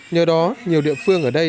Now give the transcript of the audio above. nhờ đó nhiều địa phương ở đây